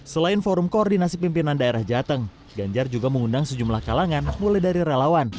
selain forum koordinasi pimpinan daerah jateng ganjar juga mengundang sejumlah kalangan mulai dari relawan